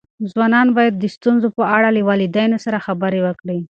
ځوانان باید د ستونزو په اړه له والدینو سره خبرې وکړي.